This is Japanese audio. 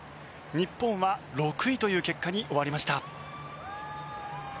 日本は６位という結果に終わりました。